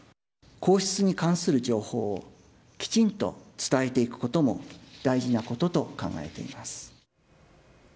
皇室に関する情報をきちんと伝えていくことも大事なことと考えています。